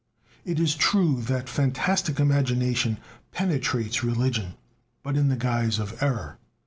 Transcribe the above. It is true that fantastic imagination penetrates religion, but in the guise of error.